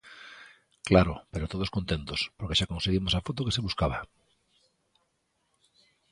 Claro, pero todos contentos porque xa conseguimos a foto que se buscaba.